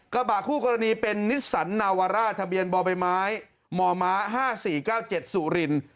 กระบะคู่กรณีเป็นนิสสันนาวาร่าทะเบียนบ่อใบไม้มม๕๔๙๗สุรินทร์